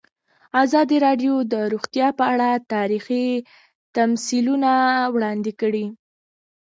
ازادي راډیو د روغتیا په اړه تاریخي تمثیلونه وړاندې کړي.